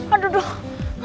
aduh gak nyampe